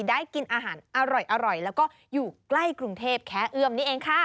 ได้กินอาหารอร่อยแล้วก็อยู่ใกล้กรุงเทพแค่เอื้อมนี่เองค่ะ